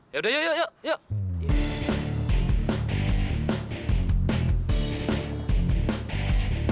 ya udah yuk yuk yuk